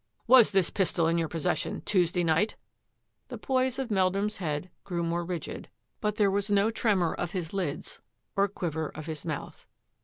" Was this pistol in your possession Tuesday night?'' The poise of Meldrum's head grew more rigid, but there was no tremor of his lids or quiver of his mouth.